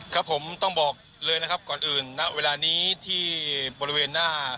ครับผมต้องบอกเลยนะครับก่อนอื่นณเวลานี้ที่บริเวณหน้า